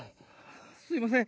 すいません。